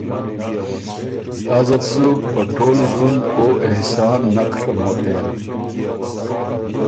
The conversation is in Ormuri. ازت سُو په ټول ݫوُند او احسان نک ڒموتېم